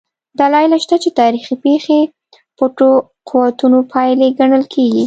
دلایل شته چې تاریخي پېښې پټو قوتونو پایلې ګڼل کېږي.